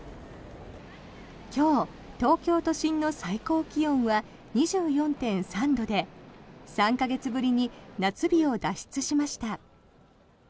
今日、東京都心の最高気温は２４．３度で３か月ぶりに夏日を脱出しました。